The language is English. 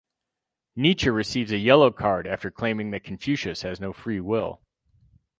Nietzsche receives a yellow card after claiming that Confucius has no free will.